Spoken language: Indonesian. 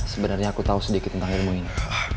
sebenarnya aku tahu sedikit tentang ilmu ini